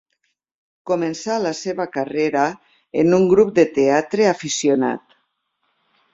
Començà la seva carrera en un grup de teatre aficionat.